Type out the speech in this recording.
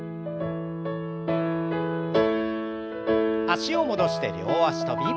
脚を戻して両脚跳び。